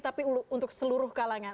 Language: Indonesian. tapi untuk seluruh kalangan